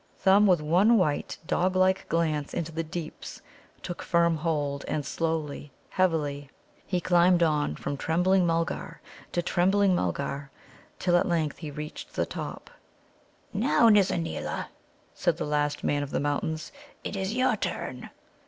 Thumb, with one white, doglike glance into the deeps, took firm hold, and slowly, heavily, he climbed on from trembling Mulgar to trembling Mulgar till at length he reached the top. "Now, Nizza neela," said the last Man of the Mountains, "it is your turn."